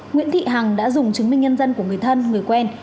nguyễn thị hằng đã dùng chứng minh nhân dân của người thân người quen